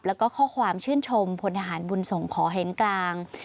แล้วก็ข้อความชื่นชมพลทหารบุญส่งขอเห็นกลาง